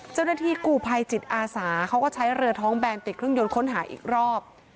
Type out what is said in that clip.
เจ้าหน้าที่กูภัยจิตอาสาเขาก็ใช้เรือท้องแบนติดเครื่องยนต์ค้นหาอีกรอบ